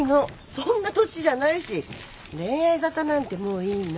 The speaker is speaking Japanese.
そんな年じゃないし恋愛沙汰なんてもういいの。